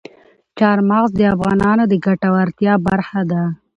چار مغز د افغانانو د ګټورتیا برخه ده.